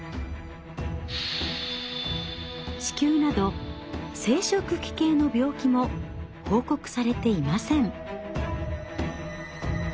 子宮など生殖器系の病気も報告されていません。